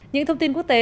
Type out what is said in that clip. những thông tin quốc tế